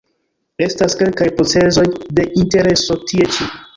Estas kelkaj procezoj de intereso tie ĉi.